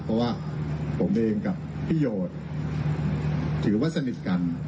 เพราะว่าผมเองกับพี่โยชน์ถือว่าสนิทกัน